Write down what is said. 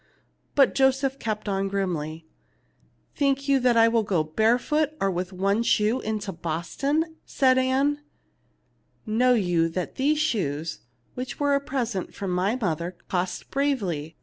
But Joseph kept on grimly. 233 THE LITTLE MAID AT THE DOOE " Think you I will go barefoot or with one shoe into Boston ?" said Ann. " Know you that these shoes, which were a present from my mother, cost bravely